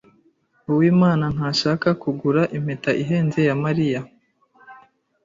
Uwimana ntashaka kugura impeta ihenze ya Mariya.